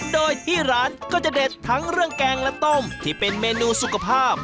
โดยที่ร้านก็จะเด็ดทั้งเรื่องแกงและต้มที่เป็นเมนูสุขภาพ